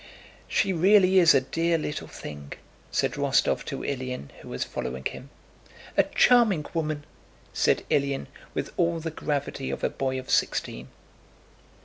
"She really is a dear little thing," said Rostóv to Ilyín, who was following him. "A charming woman!" said Ilyín, with all the gravity of a boy of sixteen.